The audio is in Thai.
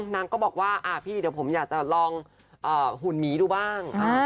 นางก็บอกว่าพี่เดี๋ยวผมอยากจะลองหุ่นหมีดูบ้าง